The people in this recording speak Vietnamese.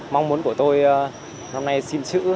mong muốn của tôi năm nay xin chữ